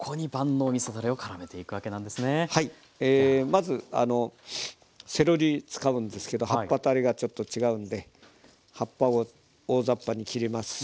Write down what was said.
まずセロリ使うんですけど葉っぱとあれがちょっと違うので葉っぱを大ざっぱに切ります。